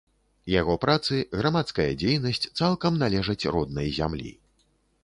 Яго працы, грамадская дзейнасць цалкам належаць роднай зямлі.